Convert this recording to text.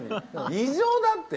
異常だって。